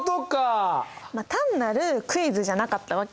まあ単なるクイズじゃなかったわけ。